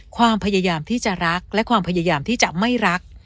ความพยายามที่จะรักและความพยายามที่จะไม่รัก